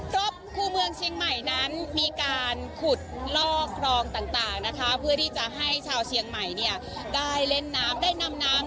รอบคู่เมืองเชียงใหม่นั้นมีการขุดลอกคลองต่างนะคะเพื่อที่จะให้ชาวเชียงใหม่เนี่ยได้เล่นน้ำได้นำน้ำ